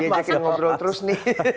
dia cek yang ngobrol terus nih